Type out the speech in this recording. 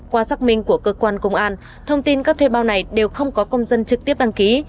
qua xác minh của cơ quan công an thông tin các thuê bao này đều không có công dân trực tiếp đăng ký